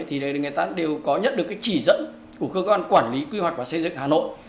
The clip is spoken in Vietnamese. thì người ta đều có nhận được cái chỉ dẫn của cơ quan quản lý quy hoạch và xây dựng hà nội